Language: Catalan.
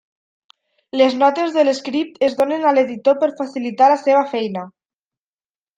Les notes del Script es donen a l'editor per facilitar la seva feina.